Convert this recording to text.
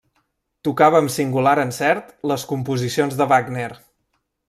Tocava amb singular encert les composicions de Wagner.